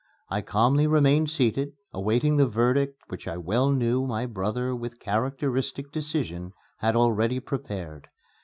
I calmly remained seated, awaiting the verdict which I well knew my brother, with characteristic decision, had already prepared.